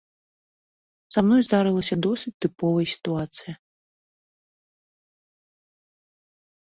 Са мной здарылася досыць тыповая сітуацыя.